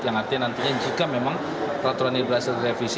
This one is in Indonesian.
yang artinya nantinya jika memang peraturan ini berhasil direvisi